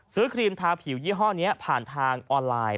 ครีมทาผิวยี่ห้อนี้ผ่านทางออนไลน์